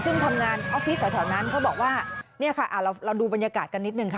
ซึ่งทำงานออฟฟิศแถวนั้นเขาบอกว่าเนี่ยค่ะเราดูบรรยากาศกันนิดนึงค่ะ